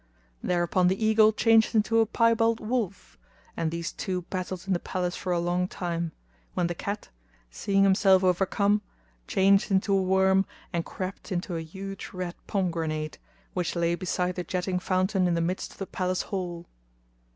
Thereupon the eagle changed into a piebald wolf and these two battled in the palace for a long time, when the cat, seeing himself overcome, changed into a worm and crept into a huge red pomegranate,[FN#250] which lay beside the jetting fountain in the midst of the palace hall.